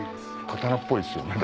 刀っぽいですよね